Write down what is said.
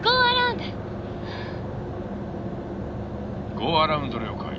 ゴーアラウンド了解。